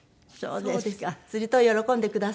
そうですか。